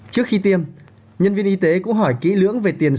trước khi tiêm nhân viên y tế cũng hỏi kỹ lưỡng về tiền